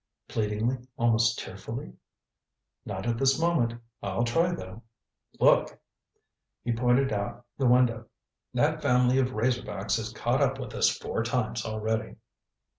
pleadingly, almost tearfully. "Not at this moment. I'll try, though. Look!" He pointed out the window. "That family of razor backs has caught up with us four times already."